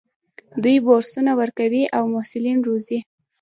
دوی بورسونه ورکوي او محصلین روزي.